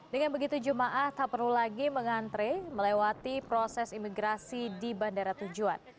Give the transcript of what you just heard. dengan begitu jemaah tak perlu lagi mengantre melewati proses imigrasi di bandara tujuan